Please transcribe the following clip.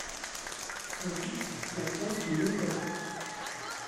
Très vite la place lui manquera.